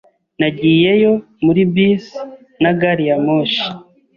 Nagiyeyo muri bisi na gari ya moshi.